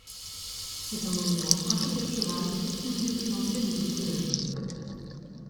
C'est un monument architectural, une des plus anciennes églises de la ville.